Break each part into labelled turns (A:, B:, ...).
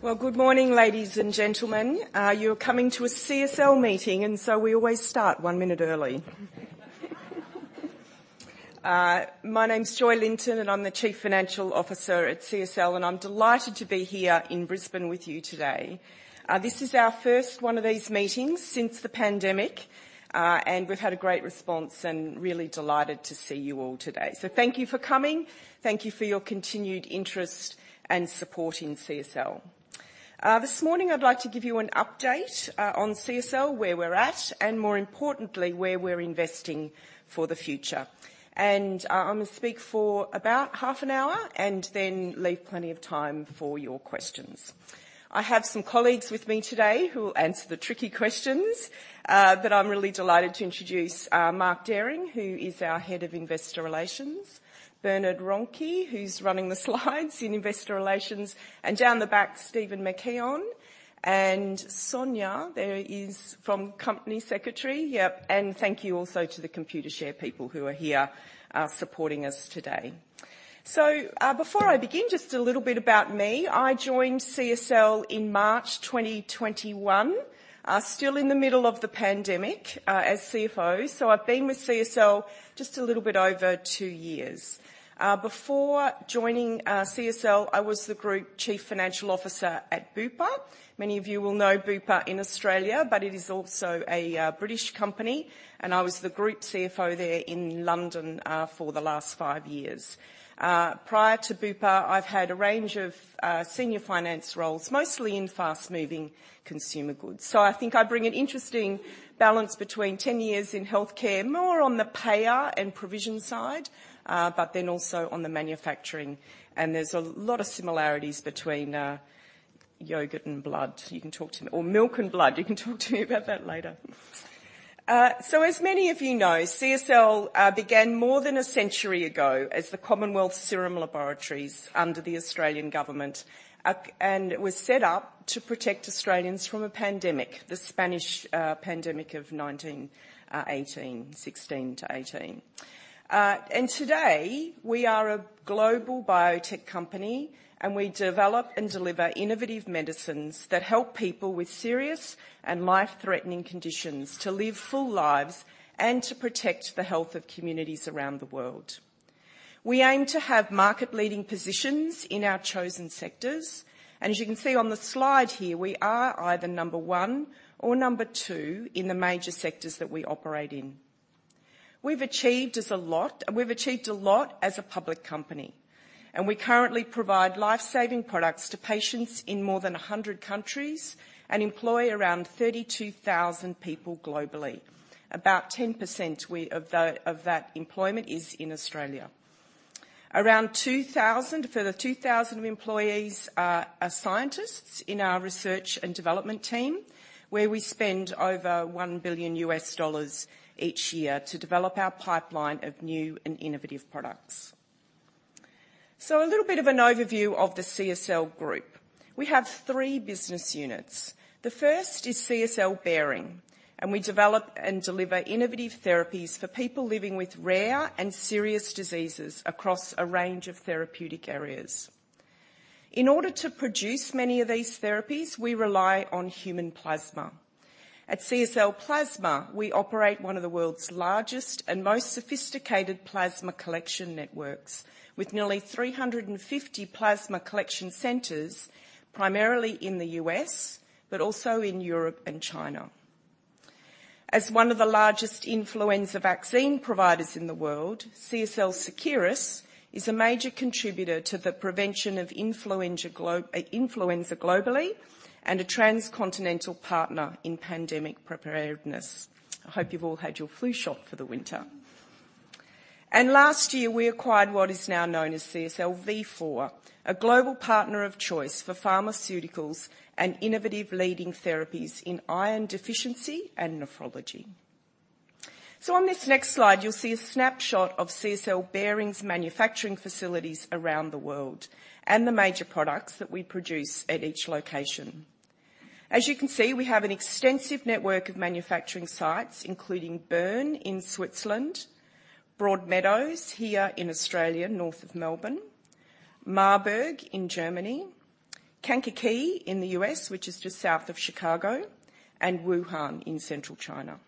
A: Well, good morning, ladies and gentlemen. You're coming to a CSL meeting, so we always start one minute early. My name's Joy Linton, and I'm the Chief Financial Officer at CSL, and I'm delighted to be here in Brisbane with you today. This is our first one of these meetings since the pandemic, and we've had a great response, and really delighted to see you all today. Thank you for coming. Thank you for your continued interest and support in CSL. This morning I'd like to give you an update on CSL, where we're at, and more importantly, where we're investing for the future. I'm going to speak for about half an hour and then leave plenty of time for your questions. I have some colleagues with me today who will answer the tricky questions. I'm really delighted to introduce Mark Dehring, who is our Head of Investor Relations, Bernard Ronchi, who's running the slides in Investor Relations, and down the back, Stephen McKeon and Sonia, there is from Company Secretary. Thank you also to the Computershare people who are here supporting us today. Before I begin, just a little bit about me. I joined CSL in March 2021, still in the middle of the pandemic, as CFO. I've been with CSL just a little bit over two years. Before joining CSL, I was the Group Chief Financial Officer at Bupa. Many of you will know Bupa in Australia. It is also a British company. I was the Group CFO there in London for the last five years. Prior to Bupa, I've had a range of senior finance roles, mostly in fast-moving consumer goods. I think I bring an interesting balance between 10 years in healthcare, more on the payer and provision side, but then also on the manufacturing. There's a lot of similarities between yogurt and blood. You can talk to me or milk and blood. You can talk to me about that later. As many of you know, CSL began more than a century ago as the Commonwealth Serum Laboratories under the Australian Government. It was set up to protect Australians from a pandemic, the Spanish pandemic of 1916 to 1918. Today, we are a global biotech company, we develop and deliver innovative medicines that help people with serious and life-threatening conditions to live full lives and to protect the health of communities around the world. We aim to have market-leading positions in our chosen sectors, as you can see on the slide here, we are either number one or number two in the major sectors that we operate in. We've achieved a lot as a public company, we currently provide life-saving products to patients in more than 100 countries and employ around 32,000 people globally. About 10% of that employment is in Australia. Around 2,000, further 2,000 employees are scientists in our research and development team, where we spend over $1 billion each year to develop our pipeline of new and innovative products. A little bit of an overview of the CSL Group. We have three business units. The first is CSL Behring. We develop and deliver innovative therapies for people living with rare and serious diseases across a range of therapeutic areas. In order to produce many of these therapies, we rely on human plasma. At CSL Plasma, we operate one of the world's largest and most sophisticated plasma collection networks, with nearly 350 plasma collection centers, primarily in the U.S., but also in Europe and China. As one of the largest influenza vaccine providers in the world, CSL Seqirus is a major contributor to the prevention of influenza globally and a transcontinental partner in pandemic preparedness. I hope you've all had your flu shot for the winter. Last year, we acquired what is now known as CSL Vifor, a global partner of choice for pharmaceuticals and innovative leading therapies in iron deficiency and nephrology. On this next slide, you'll see a snapshot of CSL Behring's manufacturing facilities around the world and the major products that we produce at each location. As you can see, we have an extensive network of manufacturing sites, including Bern in Switzerland, Broadmeadows here in Australia, north of Melbourne, Marburg in Germany, Kankakee in the U.S., which is just south of Chicago, and Wuhan in central China.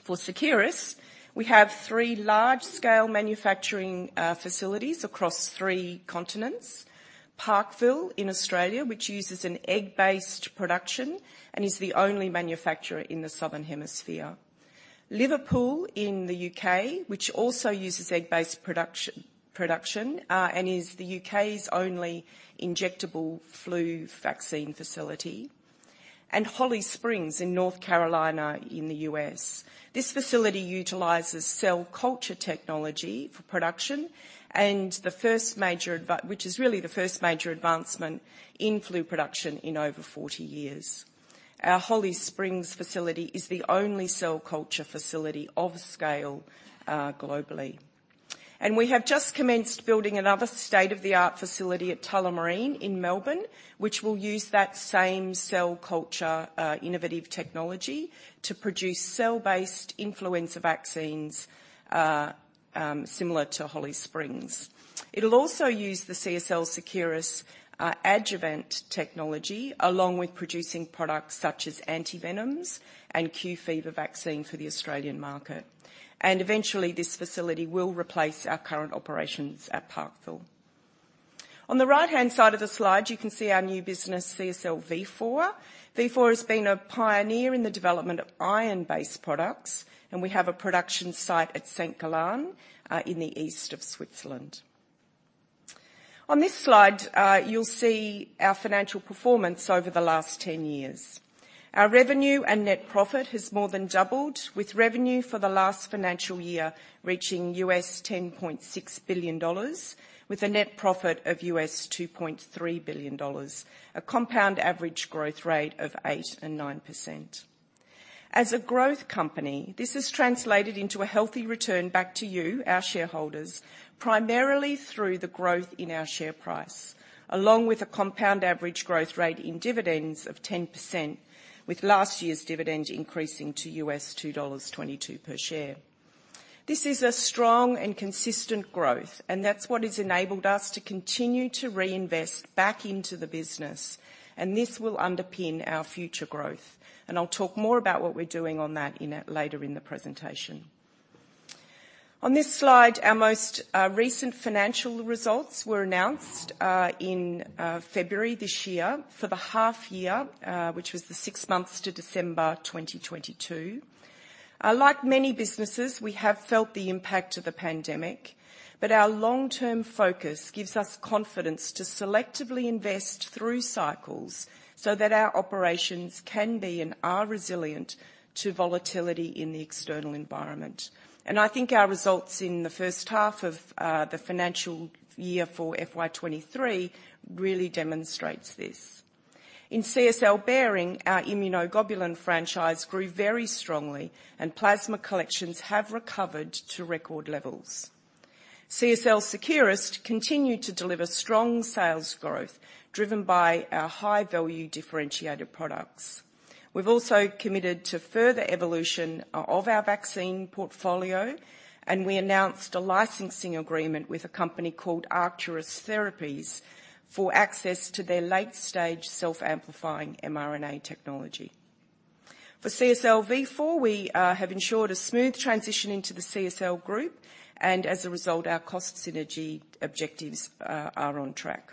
A: For Seqirus, we have three large-scale manufacturing facilities across three continents: Parkville in Australia, which uses an egg-based production and is the only manufacturer in the Southern Hemisphere; Liverpool in the U.K., which also uses egg-based production and is the U.K.'s only injectable flu vaccine facility; and Holly Springs in North Carolina in the U.S. This facility utilizes cell culture technology for production, which is really the first major advancement in flu production in over 40 years. Our Holly Springs facility is the only cell culture facility of scale globally. We have just commenced building another state-of-the-art facility at Tullamarine in Melbourne, which will use that same cell culture innovative technology to produce cell-based influenza vaccines similar to Holly Springs. It'll also use the CSL Seqirus adjuvant technology, along with producing products such as antivenoms and Q fever vaccine for the Australian market. Eventually, this facility will replace our current operations at Parkville. On the right-hand side of the slide, you can see our new business, CSL Vifor. Vifor has been a pioneer in the development of iron-based products, and we have a production site at St. Gallen in the east of Switzerland. On this slide, you'll see our financial performance over the last 10 years. Our revenue and net profit has more than doubled, with revenue for the last financial year reaching $10.6 billion, with a net profit of $2.3 billion, a compound average growth rate of 8% and 9%. As a growth company, this has translated into a healthy return back to you, our shareholders, primarily through the growth in our share price, along with a compound average growth rate in dividends of 10%, with last year's dividend increasing to $2.22 per share. This is a strong and consistent growth, and that's what has enabled us to continue to reinvest back into the business, and this will underpin our future growth. I'll talk more about what we're doing on that later in the presentation. On this slide, our most recent financial results were announced in February this year for the half year, which was the six months to December 2022. Like many businesses, we have felt the impact of the pandemic. Our long-term focus gives us confidence to selectively invest through cycles so that our operations can be, and are resilient to volatility in the external environment. I think our results in the first half of the financial year for FY 2023 really demonstrates this. In CSL Behring, our immunoglobulin franchise grew very strongly, and plasma collections have recovered to record levels. CSL Seqirus continued to deliver strong sales growth, driven by our high-value differentiated products. We've also committed to further evolution of our vaccine portfolio, and we announced a licensing agreement with a company called Arcturus Therapeutics for access to their late-stage self-amplifying mRNA technology. For CSL Vifor, we have ensured a smooth transition into the CSL group, and as a result, our cost synergy objectives are on track.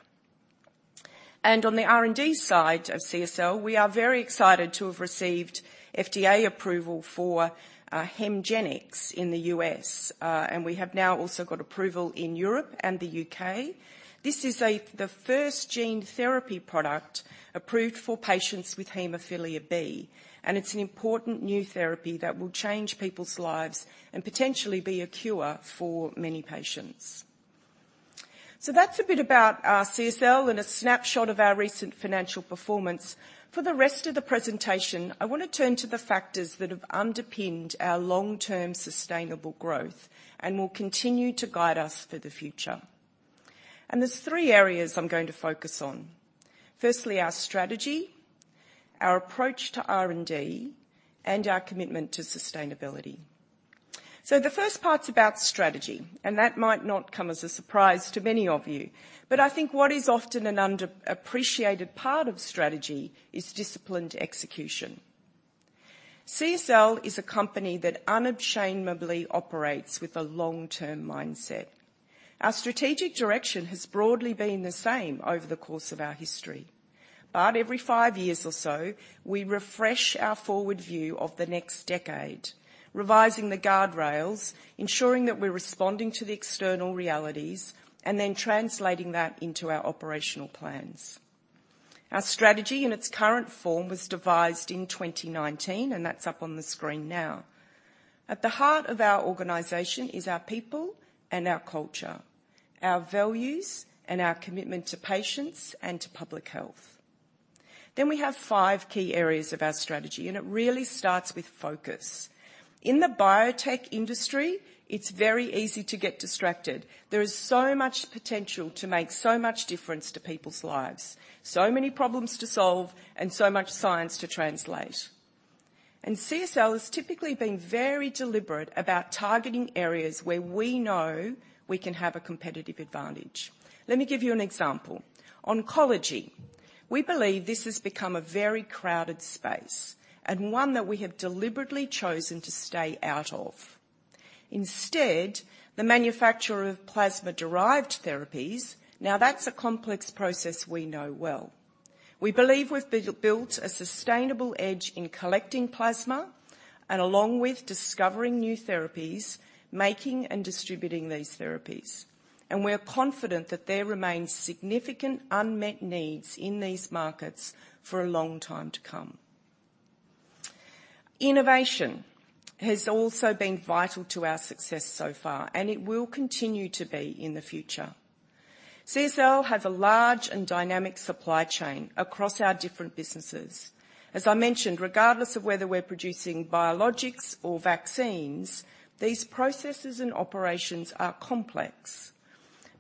A: On the R&D side of CSL, we are very excited to have received FDA approval for HEMGENIX in the U.S., and we have now also got approval in Europe and the U.K. This is the first gene therapy product approved for patients with hemophilia B, and it's an important new therapy that will change people's lives and potentially be a cure for many patients. That's a bit about CSL and a snapshot of our recent financial performance. For the rest of the presentation, I want to turn to the factors that have underpinned our long-term sustainable growth and will continue to guide us through the future. There's three areas I'm going to focus on: firstly, our strategy, our approach to R&D, and our commitment to sustainability. The first part's about strategy, and that might not come as a surprise to many of you, but I think what is often an underappreciated part of strategy is disciplined execution. CSL is a company that unashamedly operates with a long-term mindset. Our strategic direction has broadly been the same over the course of our history, but every five years or so, we refresh our forward view of the next decade, revising the guardrails, ensuring that we're responding to the external realities, and then translating that into our operational plans. Our strategy in its current form was devised in 2019, and that's up on the screen now. At the heart of our organization is our people and our culture, our values, and our commitment to patients and to public health. We have five key areas of our strategy, and it really starts with focus. In the biotech industry, it's very easy to get distracted. There is so much potential to make so much difference to people's lives, so many problems to solve, and so much science to translate. CSL has typically been very deliberate about targeting areas where we know we can have a competitive advantage. Let me give you an example. Oncology. We believe this has become a very crowded space and one that we have deliberately chosen to stay out of. Instead, the manufacturer of plasma-derived therapies, now, that's a complex process we know well. We believe we've built a sustainable edge in collecting plasma and along with discovering new therapies, making and distributing these therapies, and we're confident that there remains significant unmet needs in these markets for a long time to come. Innovation has also been vital to our success so far. It will continue to be in the future. CSL has a large and dynamic supply chain across our different businesses. As I mentioned, regardless of whether we're producing biologics or vaccines, these processes and operations are complex.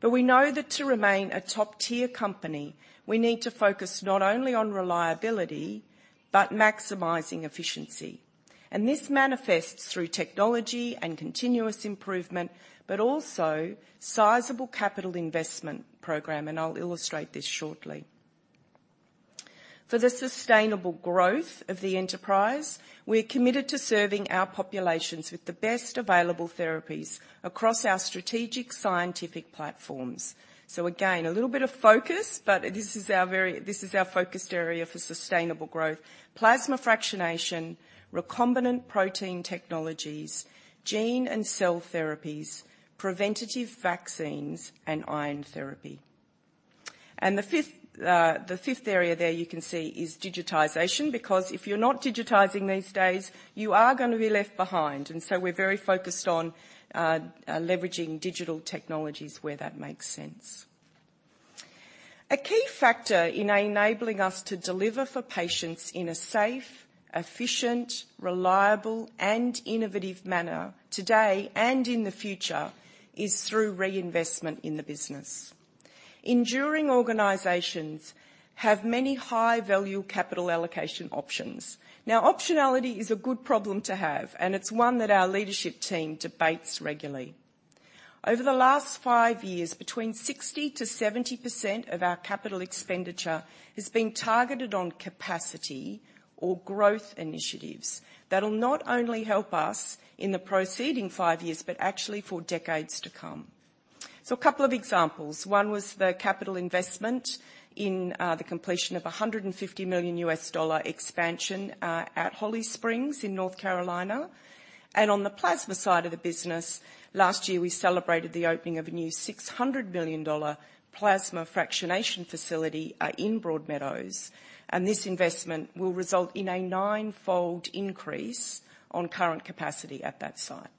A: We know that to remain a top-tier company, we need to focus not only on reliability, but maximizing efficiency. This manifests through technology and continuous improvement, but also sizable capital investment program. I'll illustrate this shortly. For the sustainable growth of the enterprise, we're committed to serving our populations with the best available therapies across our strategic scientific platforms. Again, a little bit of focus, but this is our focused area for sustainable growth: plasma fractionation, recombinant protein technologies, cell and gene therapies, preventative vaccines, and iron therapy. The fifth area there you can see is digitization, because if you're not digitizing these days, you are gonna be left behind. So we're very focused on leveraging digital technologies where that makes sense. A key factor in enabling us to deliver for patients in a safe, efficient, reliable, and innovative manner today and in the future is through reinvestment in the business. Enduring organizations have many high-value capital allocation options. Optionality is a good problem to have, and it's one that our leadership team debates regularly. Over the last five years, between 60% to 70% of our capital expenditure has been targeted on capacity or growth initiatives that will not only help us in the proceeding five years, but actually for decades to come. A couple of examples. One was the capital investment in the completion of a $150 million expansion at Holly Springs in North Carolina. On the plasma side of the business, last year, we celebrated the opening of a new $600 million plasma fractionation facility in Broadmeadows, and this investment will result in a nine-fold increase on current capacity at that site.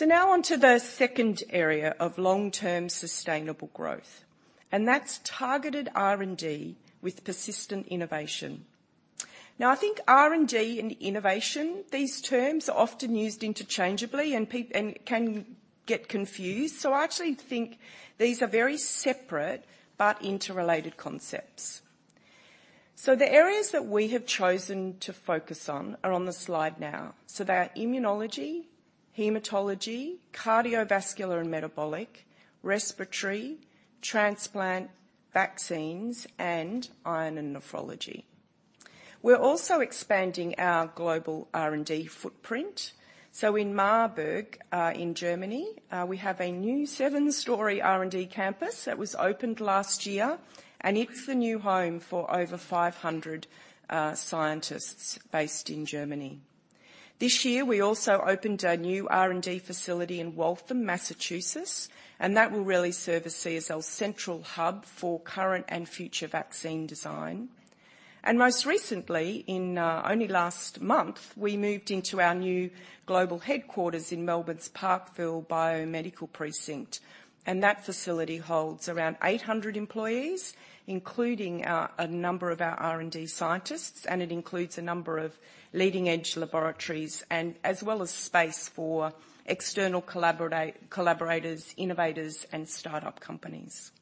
A: Now on to the second area of long-term sustainable growth, and that's targeted R&D with persistent innovation. I think R&D and innovation, these terms are often used interchangeably and can get confused, so I actually think these are very separate but interrelated concepts. The areas that we have chosen to focus on are on the slide now. They are immunology, hematology, cardiovascular and metabolic, respiratory, transplant, vaccines, and iron and nephrology. We're also expanding our global R&D footprint. In Marburg, in Germany, we have a new seven-story R&D campus that was opened last year, and it's the new home for over 500 scientists based in Germany. This year, we also opened a new R&D facility in Waltham, Massachusetts, and that will really serve as CSL's central hub for current and future vaccine design. Most recently, only last month, we moved into our new global headquarters in Melbourne's Parkville Biomedical Precinct, and that facility holds around 800 employees, including a number of our R&D scientists, and it includes a number of leading-edge laboratories and as well as space for external collaborators, innovators, and startup companies.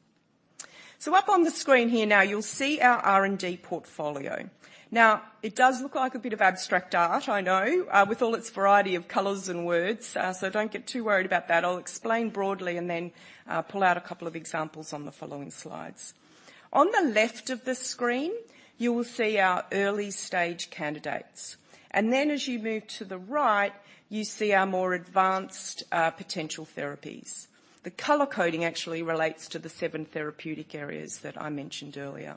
A: Up on the screen here now, you'll see our R&D portfolio. Now, it does look like a bit of abstract art, I know, with all its variety of colors and words, so don't get too worried about that. I'll explain broadly and then pull out a couple of examples on the following slides. On the left of the screen, you will see our early-stage candidates, and then as you move to the right, you see our more advanced potential therapies. The color coding actually relates to the seven therapeutic areas that I mentioned earlier.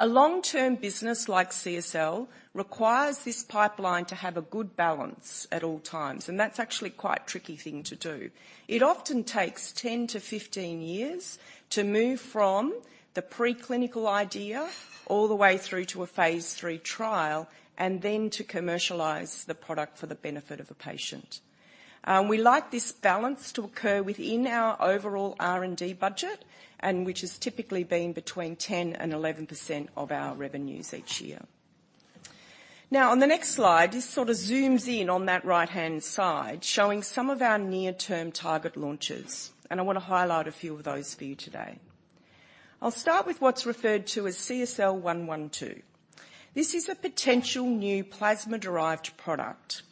A: A long-term business like CSL requires this pipeline to have a good balance at all times, and that's actually quite a tricky thing to do. It often takes 10-15 years to move from the preclinical idea all the way through to a phase III trial, and then to commercialize the product for the benefit of the patient. We like this balance to occur within our overall R&D budget, and which has typically been between 10% and 11% of our revenues each year. On the next slide, this sort of zooms in on that right-hand side, showing some of our near-term target launches, and I want to highlight a few of those for you today. I'll start with what's referred to as CSL112. This is a potential new plasma-derived product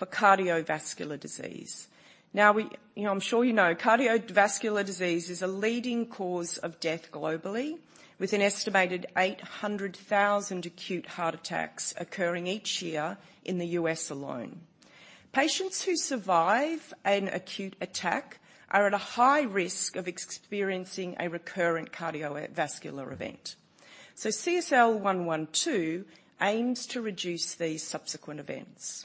A: for cardiovascular disease. You know, I'm sure you know, cardiovascular disease is a leading cause of death globally, with an estimated 800,000 acute heart attacks occurring each year in the U.S. alone. Patients who survive an acute attack are at a high risk of experiencing a recurrent cardiovascular event, CSL112 aims to reduce these subsequent events.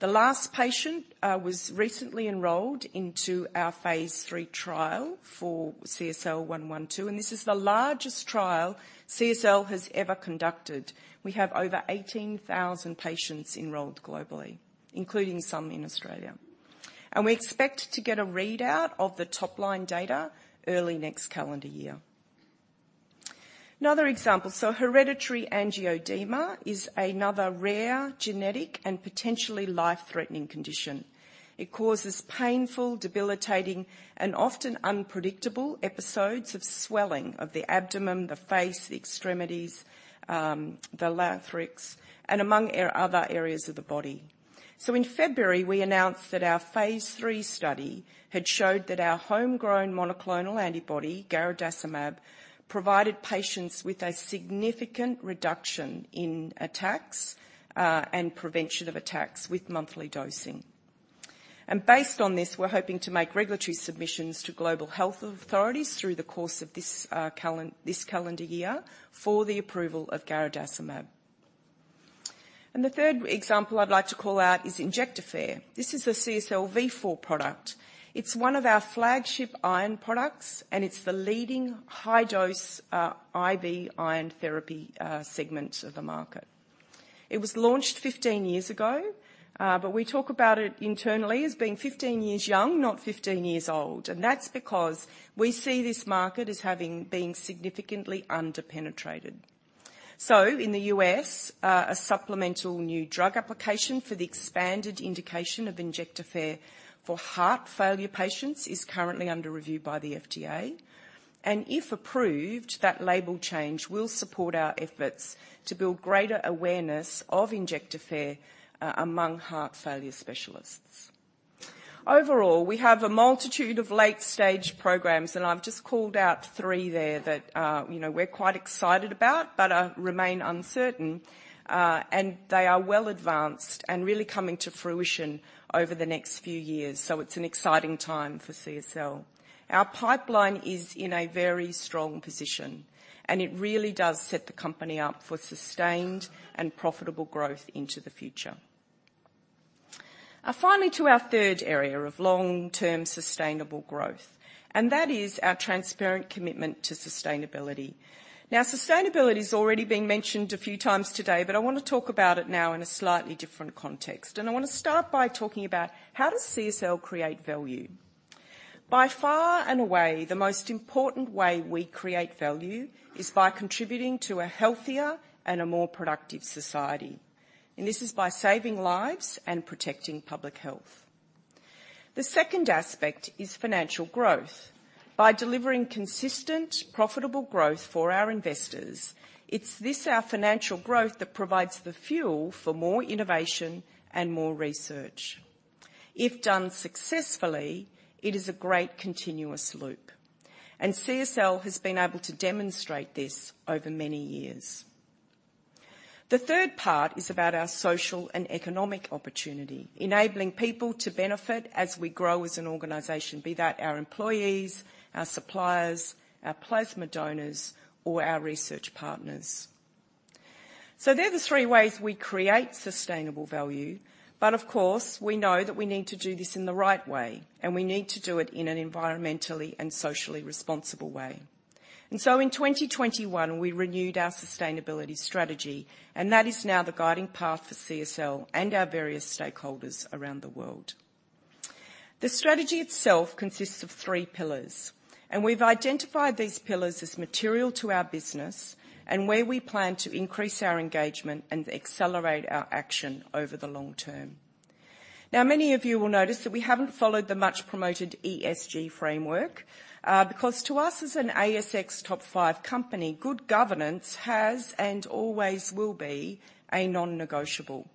A: The last patient was recently enrolled into our phase III trial for CSL112. This is the largest trial CSL has ever conducted. We have over 18,000 patients enrolled globally, including some in Australia, and we expect to get a readout of the top-line data early next calendar year. Another example, hereditary angioedema is another rare genetic and potentially life-threatening condition. It causes painful, debilitating, and often unpredictable episodes of swelling of the abdomen, the face, the extremities, the larynx, and among other areas of the body. In February, we announced that our phase III study had showed that our homegrown monoclonal antibody garadacimab provided patients with a significant reduction in attacks and prevention of attacks with monthly dosing. Based on this, we're hoping to make regulatory submissions to global health authorities through the course of this calendar year for the approval of garadacimab. The third example I'd like to call out is Injectafer. This is a CSL Vifor product. It's one of our flagship iron products, and it's the leading high-dose IV iron therapy segment of the market. It was launched 15 years ago, but we talk about it internally as being 15 years young, not 15 years old, and that's because we see this market as being significantly under-penetrated. In the U.S., a supplemental new drug application for the expanded indication of Injectafer for heart failure patients is currently under review by the FDA. If approved, that label change will support our efforts to build greater awareness of Injectafer among heart failure specialists. Overall, we have a multitude of late-stage programs, and I've just called out three there that, you know, we're quite excited about, but remain uncertain, and they are well advanced and really coming to fruition over the next few years. It's an exciting time for CSL. Our pipeline is in a very strong position, and it really does set the company up for sustained and profitable growth into the future. Finally, to our third area of long-term sustainable growth, and that is our transparent commitment to sustainability. Now, sustainability has already been mentioned a few times today, but I want to talk about it now in a slightly different context. I want to start by talking about how does CSL create value? By far and away, the most important way we create value is by contributing to a healthier and a more productive society, and this is by saving lives and protecting public health. The second aspect is financial growth. By delivering consistent, profitable growth for our investors, it's this, our financial growth, that provides the fuel for more innovation and more research. If done successfully, it is a great continuous loop, and CSL has been able to demonstrate this over many years. The third part is about our social and economic opportunity, enabling people to benefit as we grow as an organization, be that our employees, our suppliers, our plasma donors, or our research partners. They're the three ways we create sustainable value, but of course, we know that we need to do this in the right way, and we need to do it in an environmentally and socially responsible way. In 2021, we renewed our sustainability strategy, and that is now the guiding path for CSL and our various stakeholders around the world. The strategy itself consists of three pillars, and we've identified these pillars as material to our business and where we plan to increase our engagement and accelerate our action over the long term. Many of you will notice that we haven't followed the much-promoted ESG framework, because to us, as an ASX Top five company, good governance has and always will be a non-negotiable.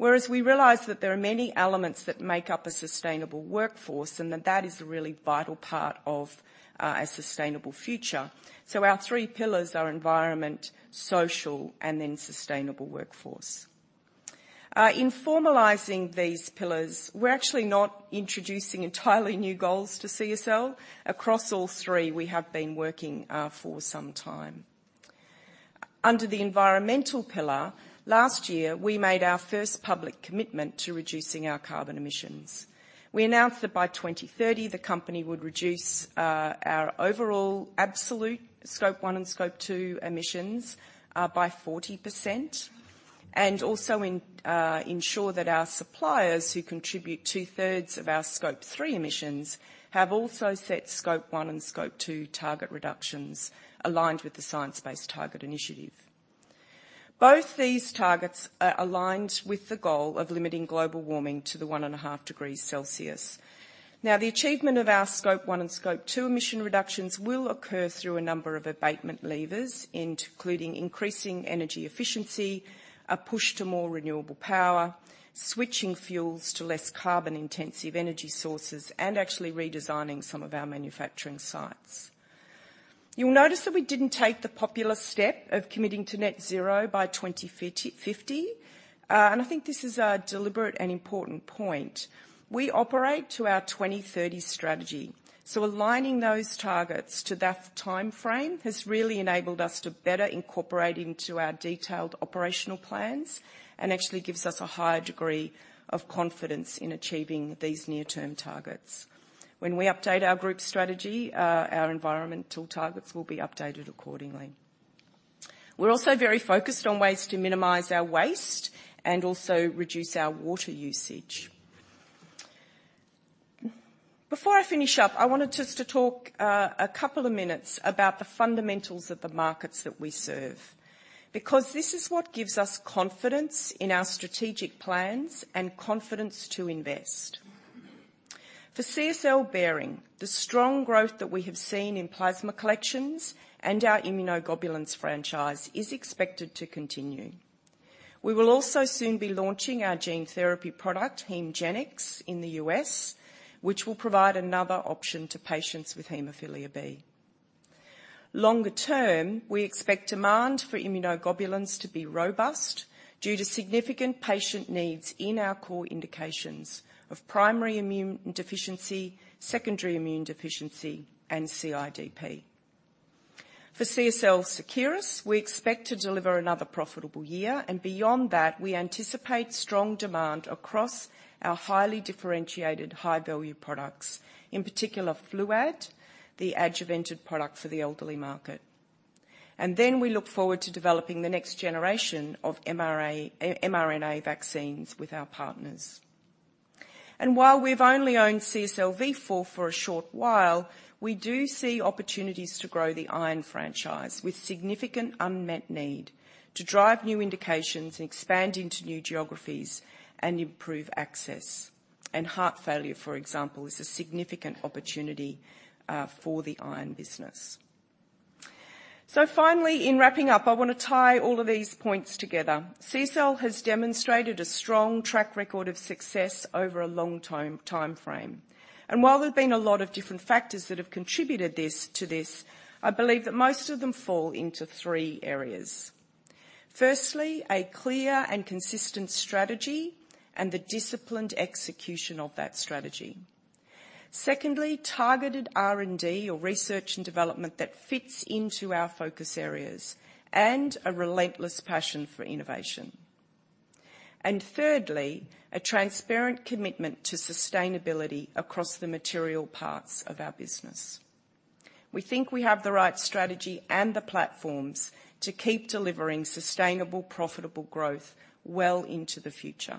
A: Whereas we realize that there are many elements that make up a sustainable workforce, and that that is a really vital part of a sustainable future. Our three pillars are environment, social, and then sustainable workforce. In formalizing these pillars, we're actually not introducing entirely new goals to CSL. Across all three, we have been working for some time. Under the environmental pillar, last year, we made our first public commitment to reducing our carbon emissions. We announced that by 2030, the company would reduce our overall absolute Scope 1 and Scope 2 emissions by 40%, and also ensure that our suppliers, who contribute 2/3 of our Scope 3 emissions, have also set Scope 1 and Scope 2 target reductions aligned with the Science Based Targets initiative. Both these targets are aligned with the goal of limiting global warming to the one and a half degrees Celsius. The achievement of our Scope 1 and Scope 2 emission reductions will occur through a number of abatement levers, including increasing energy efficiency, a push to more renewable power, switching fuels to less carbon-intensive energy sources, and actually redesigning some of our manufacturing sites. You'll notice that we didn't take the popular step of committing to net zero by 2050. I think this is a deliberate and important point. We operate to our 2030 strategy, so aligning those targets to that time frame has really enabled us to better incorporate into our detailed operational plans and actually gives us a higher degree of confidence in achieving these near-term targets. When we update our group strategy, our environmental targets will be updated accordingly. We're also very focused on ways to minimize our waste and also reduce our water usage. Before I finish up, I wanted just to talk a couple of minutes about the fundamentals of the markets that we serve, because this is what gives us confidence in our strategic plans and confidence to invest. For CSL Behring, the strong growth that we have seen in plasma collections and our immunoglobulins franchise is expected to continue. We will also soon be launching our gene therapy product, HEMGENIX, in the U.S., which will provide another option to patients with hemophilia B. Longer term, we expect demand for immunoglobulins to be robust due to significant patient needs in our core indications of primary immune deficiency, secondary immune deficiency, and CIDP. For CSL Seqirus, we expect to deliver another profitable year. Beyond that, we anticipate strong demand across our highly differentiated high-value products, in particular FLUAD, the adjuvanted product for the elderly market. We look forward to developing the next generation of mRNA vaccines with our partners. While we've only owned CSL Vifor for a short while, we do see opportunities to grow the iron franchise with significant unmet need to drive new indications and expand into new geographies and improve access. Heart failure, for example, is a significant opportunity for the iron business. Finally, in wrapping up, I wanna tie all of these points together. CSL has demonstrated a strong track record of success over a long time, timeframe. While there have been a lot of different factors that have contributed to this, I believe that most of them fall into three areas. Firstly, a clear and consistent strategy and the disciplined execution of that strategy. Secondly, targeted R&D, or research and development, that fits into our focus areas and a relentless passion for innovation. Thirdly, a transparent commitment to sustainability across the material parts of our business. We think we have the right strategy and the platforms to keep delivering sustainable, profitable growth well into the future.